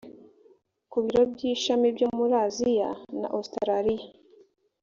ku biro by ishami byo muri aziya na ositaraliya